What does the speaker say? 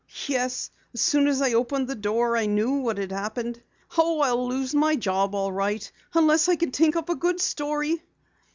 "Yes. As soon as I opened the door I knew what had happened! Oh, I'll lose my job all right unless I can think up a good story."